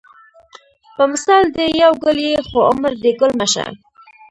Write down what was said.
په مثال دې یو ګل یې خو عمر دې ګل مه شه